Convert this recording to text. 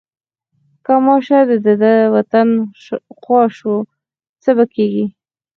که ماشه د ده د وطن خوا شوه څه به کېږي.